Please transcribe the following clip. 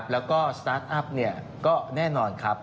แล้วก็สตาร์ทอัพก็แน่นอนครับ